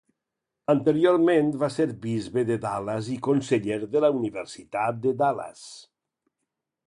Anteriorment va ser bisbe de Dallas i canceller de la Universitat de Dallas.